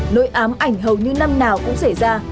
nỗi ám ảnh hầu như năm nào cũng xảy ra